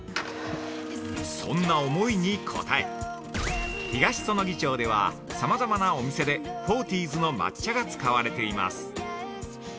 ◆そんな思いに応え東彼杵町では、さまざまなお店でフォーティーズの抹茶が使われています。